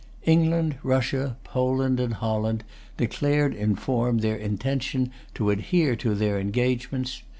England, Russia, Poland, and Holland declared in form their intention to adhere to their engagements.